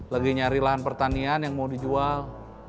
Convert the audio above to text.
lagi nyari lahan pertanian yang mau dijual